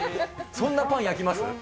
そんなパン焼きます？